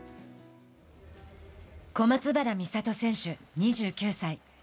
小松原美里選手２９歳。